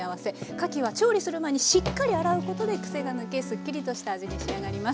かきは調理する前にしっかり洗うことでクセが抜けすっきりとした味に仕上がります。